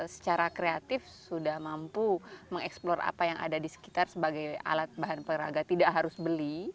secara kreatif sudah mampu mengeksplor apa yang ada di sekitar sebagai alat bahan peraga tidak harus beli